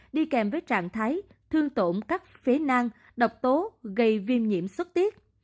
đi kèm với trạng thái thương tổn các phế năng độc tố gây viêm nhiễm xuất tiết